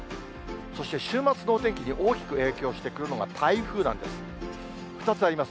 そして週末のお天気に大きく影響してくるのが台風なんです。